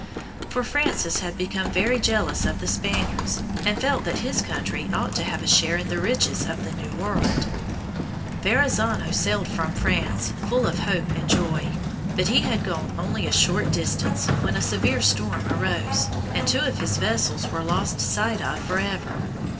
For Francis had become very jealous of the Spaniards, and felt that his country ought to have a share in the riches of the New World. [Illustration: Verrazzano.] Verrazzano sailed from France full of hope and joy; but he had gone only a short distance when a severe storm arose, and two of his vessels were lost sight of forever.